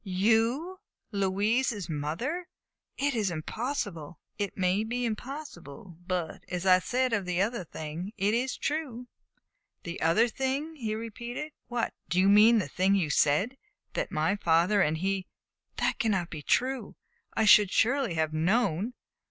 "You Louise's mother? It is impossible!" "It may be impossible; but, as I said of the other thing, it is true." "The other thing?" he repeated. "What do you mean the thing you said that my father and he That cannot be true. I should surely have known!"